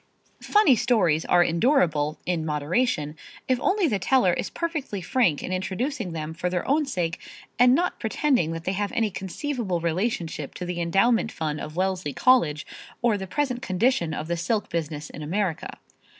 Funny stories are endurable, in moderation, if only the teller is perfectly frank in introducing them for their own sake and not pretending that they have any conceivable relationship to the endowment fund of Wellesley College, or the present condition of the silk business in America.